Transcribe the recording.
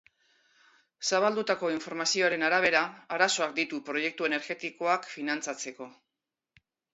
Zabaldutako informazioaren arabera, arazoak ditu proiektu energetikoak finantzatzeko.